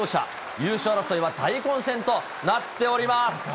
優勝争いは大混戦となっております。